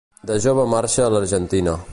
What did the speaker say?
De jove marxa a l'Argentina.